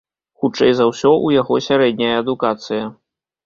Хутчэй за ўсё, у яго сярэдняя адукацыя.